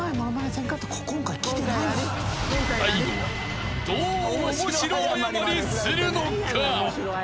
［大悟はどう面白謝りするのか？］